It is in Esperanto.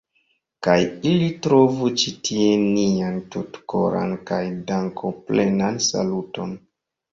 Kaj ili trovu ĉi tie nian tutkoran kaj dankoplenan saluton.